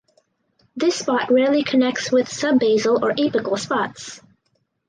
This spot rarely connects with subbasal or apical spots.